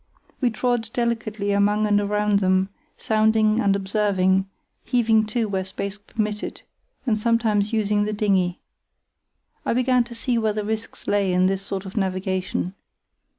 We trod delicately among and around them, sounding and observing; heaving to where space permitted, and sometimes using the dinghy. I began to see where the risks lay in this sort of navigation.